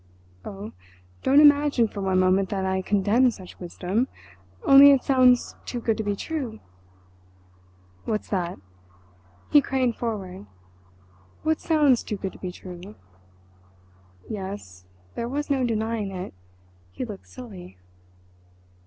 "Oh, don't imagine for one moment that I condemn such wisdom—only it sounds too good to be true!" "What's that?"—he craned forward. "What sounds too good to be true?" Yes—there was no denying it—he looked silly.